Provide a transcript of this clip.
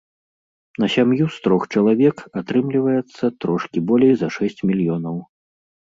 На сям'ю з трох чалавек атрымліваецца трошкі болей за шэсць мільёнаў.